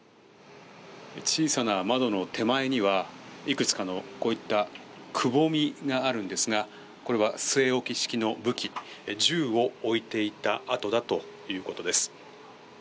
小さな窓の手前にはいくつかのこういったくぼみがあるんですがこれは据え置き式の武器銃を置いていた跡だということです。